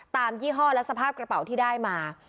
ยี่ห้อและสภาพกระเป๋าที่ได้มา